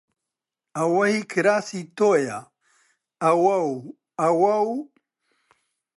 ئەوە هیی کراسی تۆیە! ئەوە و ئەوە و